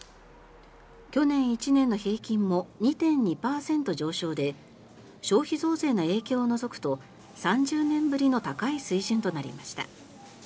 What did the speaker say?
去年１年の平均も２．２％上昇で消費増税の影響を除くと３０年ぶりの高い水準となりました。